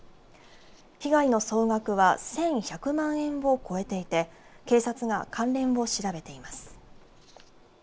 被害の総額は１１００万円を超えていて警察が関連を調べています。